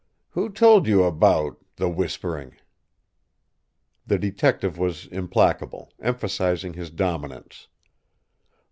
"Who told you about the whispering?" The detective was implacable, emphasizing his dominance.